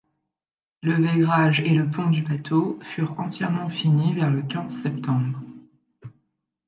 Le vaigrage et le pont du bateau furent entièrement finis vers le quinze septembre.